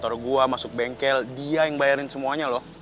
taruh gua masuk bengkel dia yang bayarin semuanya loh